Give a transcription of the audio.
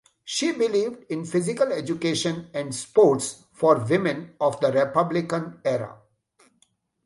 She believed in physical education and sports for women of the Republican Era.